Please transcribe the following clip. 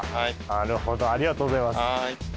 なるほどありがとうございます。